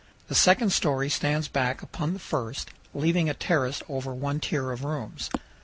The second story stands back upon the first, leaving a terrace over one tier of rooms.